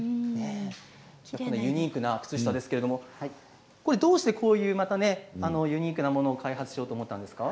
ユニークな靴下ですけれどもどうしてユニークなものを開発しようと思ったんですか？